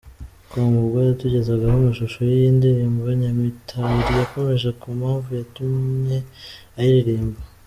com, ubwo yatugezagaho amashusho y’iyi ndirimbo, Nyamitali yakomoje kumpamvu yatumye ayiririmba .